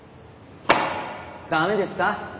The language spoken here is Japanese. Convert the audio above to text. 駄目ですか？